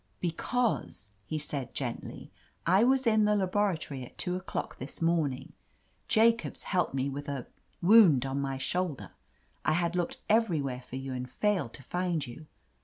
'* "Because," he said gently, "I was in the laboratory at two o'clock this morning. Jacobs helped me with a — ^wound on my shoulder. I had looked everywhere for you and failed to find you.